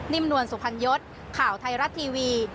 นิมนวลสุพันยศข่าวไทยรัตน์ทีวี